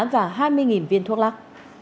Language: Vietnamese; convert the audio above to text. và hai mươi viên thuốc lắc